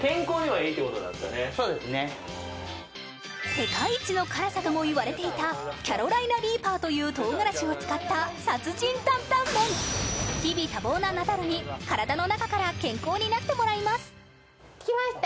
世界一の辛さともいわれていたキャロライナ・リーパーという唐辛子を使った殺人担々麺日々多忙なナダルに体の中から健康になってもらいます来ました！